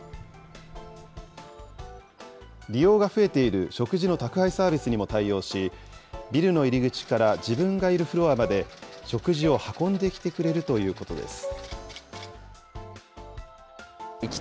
利用が増えている食事の宅配サービスにも対応し、ビルの入り口から自分がいるフロアまで、食事を運んできてくれるということです。